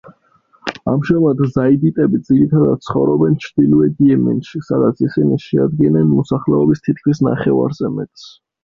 ამჟამად ზაიდიტები ძირითადად ცხოვრობენ ჩრდილოეთ იემენში, სადაც ისინი შეადგენენ მოსახლეობის თითქმის ნახევარზე მეტს.